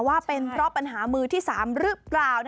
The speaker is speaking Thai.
ว่าเป็นเพราะปัญหามือที่๓หรือเปล่า